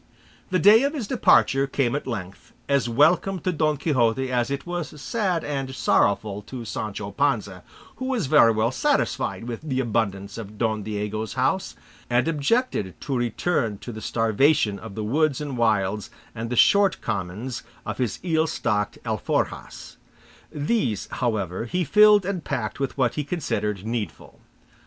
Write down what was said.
The day of his departure came at length, as welcome to Don Quixote as it was sad and sorrowful to Sancho Panza, who was very well satisfied with the abundance of Don Diego's house, and objected to return to the starvation of the woods and wilds and the short commons of his ill stocked alforjas; these, however, he filled and packed with what he considered needful.